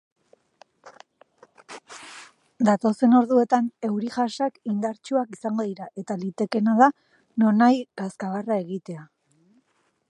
Datozen orduetan euri-jasak indartsuak izango dira eta litekeena da nonahi kazkabarra egitea.